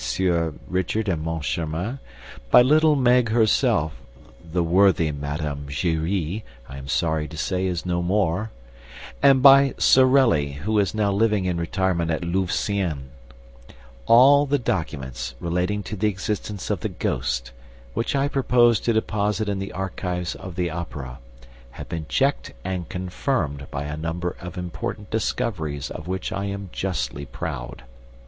Richard and Moncharmin, by little Meg herself (the worthy Madame Giry, I am sorry to say, is no more) and by Sorelli, who is now living in retirement at Louveciennes: all the documents relating to the existence of the ghost, which I propose to deposit in the archives of the Opera, have been checked and confirmed by a number of important discoveries of which I am justly proud.